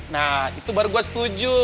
nah itu baru gue setuju